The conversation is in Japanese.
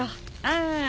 ああ！